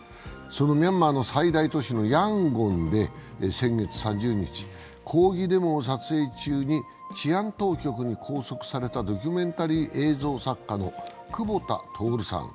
そのミャンマーの最大都市のヤンゴンで先月３０日、抗議デモを撮影中に、治安当局に拘束されたドキュメンタリー映像作家の久保田徹さん。